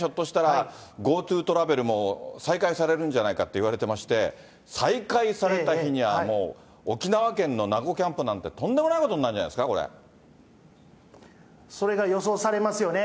まあこれ、ガンちゃん、２月にはひょっとしたらＧｏＴｏトラベルも再開されるんじゃないかって言われてまして、再開された日にゃあ、もう、沖縄県の名護キャンプなんてとんでもないことにそれが予想されますよね。